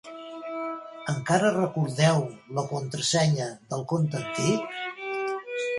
Encara recordeu la contrasenya del compte antic?